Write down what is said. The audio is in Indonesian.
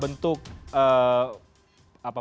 di negara ini terhadap